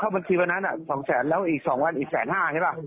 ไม้เกินสองทำวันตะแม่มาเยอะแหละ